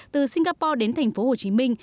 từ singapore đến tp hcm